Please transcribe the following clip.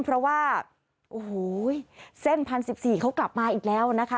เพราะว่าโอ้โหเส้น๑๐๑๔เขากลับมาอีกแล้วนะคะ